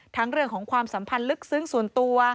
เรื่องของความสัมพันธ์ลึกซึ้งส่วนตัว